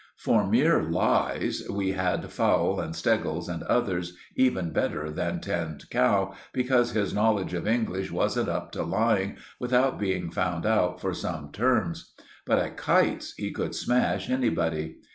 For mere lies we had Fowle and Steggles, and others, even better than Tinned Cow, because his knowledge of English wasn't up to lying without being found out for some terms; but at kites he could smash anybody.